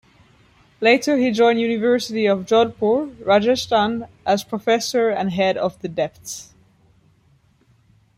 Later he joined University of Jodhpur, Rajasthan as Professor and Head of the Deptt.